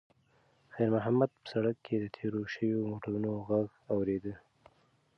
خیر محمد په سړک کې د تېرو شویو موټرو غږ اورېده.